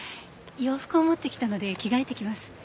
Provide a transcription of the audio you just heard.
洋服を持ってきたので着替えてきます。